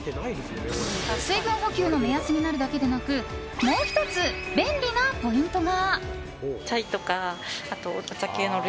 水分補給の目安になるだけでなくもう１つ便利なポイントが。